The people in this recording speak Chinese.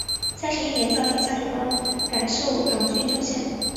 三十一年诏天下学官改授旁郡州县。